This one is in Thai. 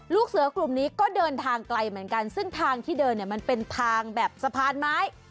ลูกเสือกลุ่มนี้ก็เดินทางไกลเหมือนกันซึ่งทางที่เดินเนี่ยมันเป็นทางแบบสะพานไม้